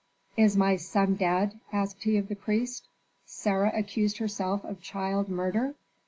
"Is my son dead?" asked he of the priest. "Sarah accused herself of child murder?